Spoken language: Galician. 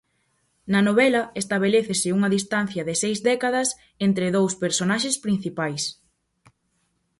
Na novela, estabelécese unha distancia de seis décadas entre dous personaxes principais.